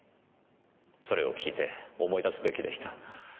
それを聞いて思い出すべきでした。